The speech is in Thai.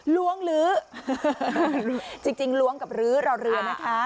ล้วงหรือจริงล้วงกับหรือเราเรือนนะคะ